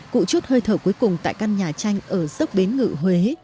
cụ chút hơi thở cuối cùng tại căn nhà tranh ở dốc bến ngự huế